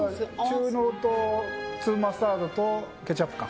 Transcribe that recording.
中濃と粒マスタードとケチャップかな。